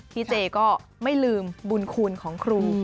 เจก็ไม่ลืมบุญคุณของครู